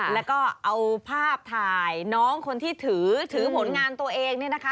แล้วก็เอาภาพถ่ายน้องคนที่ถือถือผลงานตัวเองเนี่ยนะคะ